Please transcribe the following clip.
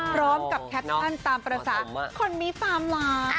พร้อมกับแท็คซั่นตามภาษาคนมี๓ล้าน